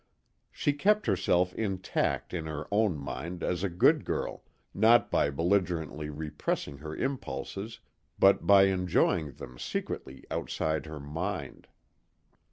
She kept herself intact in her own mind as a good girl not by belligerently repressing her impulses but by enjoying them secretly outside her mind.